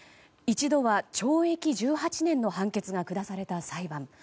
一度は懲役１８年の判決が下された裁判。